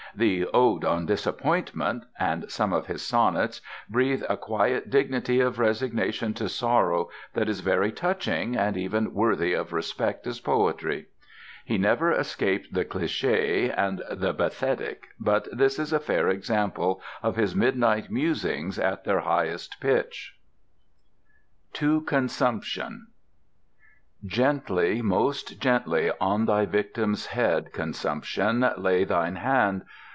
The "Ode on Disappointment," and some of his sonnets, breathe a quiet dignity of resignation to sorrow that is very touching and even worthy of respect as poetry. He never escaped the cliché and the bathetic, but this is a fair example of his midnight musings at their highest pitch:— TO CONSUMPTION Gently, most gently, on thy victim's head, Consumption, lay thine hand.